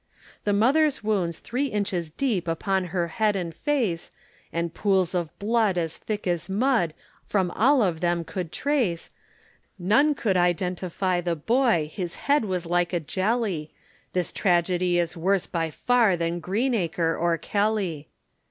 The mother's wounds three inches deep upon her head and face, And pools of blood as thick as mud, from all of them could trace, None could identify the boy, his head was like a jelly; This tragedy is worse by far than Greenacre or Kelly.